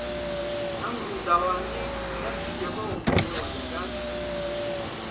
ئەم ڕووداوانەی لەم کتێبەوە بە ئێوە دەگات